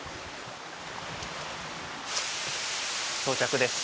到着です。